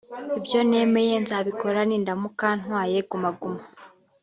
Ibyo nemeye nzabikora nindamuka ntwaye Guma Guma